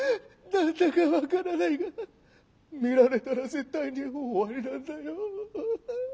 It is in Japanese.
何だかわからないが見られたら絶対にもう「終わり」なんだよーッ。